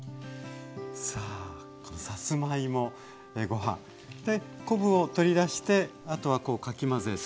さあさつまいもご飯昆布を取り出してあとはこうかき混ぜて？